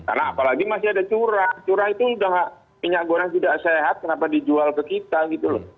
karena apalagi masih ada curah curah itu sudah minyak goreng tidak sehat kenapa dijual ke kita gitu loh